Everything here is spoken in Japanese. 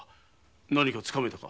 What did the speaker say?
何かつかめたか。